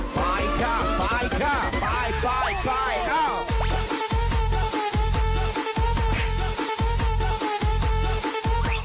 ปล่อยค่ะปล่อยค่ะปล่อยปล่อยอ้าว